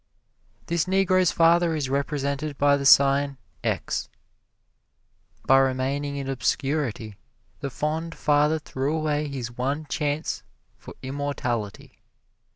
This Negro's father is represented by the sign x. By remaining in obscurity the fond father threw away his one chance for immortality.